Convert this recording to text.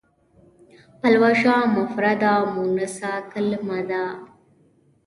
پلوشه مفرده مونثه کلمه ده.